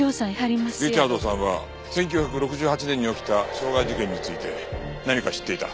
リチャードさんは１９６８年に起きた傷害事件について何か知っていた。